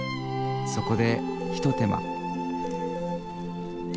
そこで一手間。